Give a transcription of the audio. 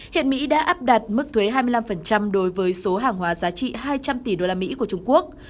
hiện mỹ đã áp đặt mức thuế hai mươi năm đối với số hàng hóa giá trị hai trăm linh tỷ usd của trung quốc